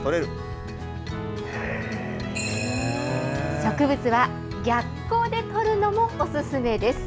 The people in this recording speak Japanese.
植物は逆光で撮るのもお勧めです。